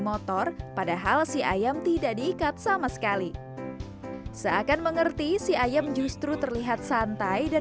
motor padahal si ayam tidak diikat sama sekali seakan mengerti si ayam justru terlihat santai dan